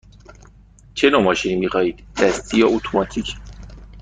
چه نوع ماشینی می خواهید – دستی یا اتوماتیک؟